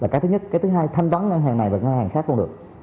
cái thứ nhất cái thứ hai thanh toán ngân hàng này và ngân hàng khác không được